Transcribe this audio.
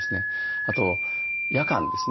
あと夜間ですね。